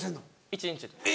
１日です。